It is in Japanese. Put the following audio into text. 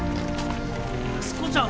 安子ちゃん。